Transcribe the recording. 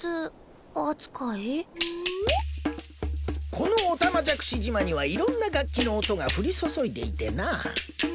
このおたまじゃくし島にはいろんな楽器の音が降り注いでいてな。